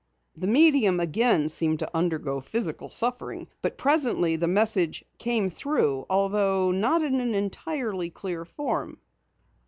The medium again seemed to undergo physical suffering, but presently the message "came through," although not in an entirely clear form.